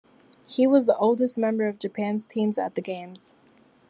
He was the oldest member of Japan's team at the Games.